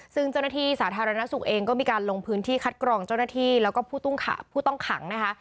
ซึ่งเจ้าหน้าที่สาธารณสุขเองก็มีการลงพื้นที่คัดกรองเจ้าหน้าที่แล้วก็ผู้ต้องขังนะคะ